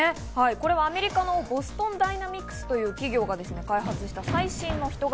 アメリカのボストン・ダイナミクスという企業が開発した最新の人型